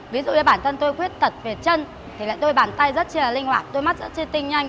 ví dụ như bản thân tôi khuyết tật về chân thì lại đôi bàn tay rất là linh hoạt đôi mắt rất là chiên tinh nhanh